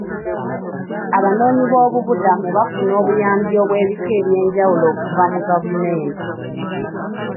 Abanoonyiboobubudamu baafuna obuyambi obw'ebika eby'enjawulo okuva mu gavumenti